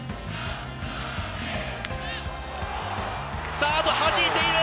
サード、はじいている。